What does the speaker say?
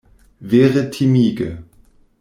Vere timige!